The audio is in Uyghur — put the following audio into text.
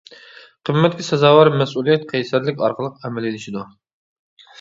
قىممەتكە سازاۋەر مەسئۇلىيەت قەيسەرلىك ئارقىلىق ئەمەلىيلىشىدۇ.